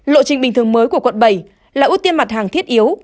lộ trình bình thường mới của quận bảy là ưu tiên mặt hàng thiết yếu